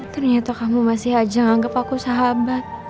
ternyata kamu masih aja menganggap aku sahabat